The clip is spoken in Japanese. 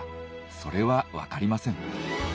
それはわかりません。